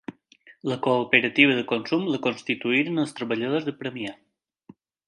La cooperativa de consum la constituïren els treballadors de Premià.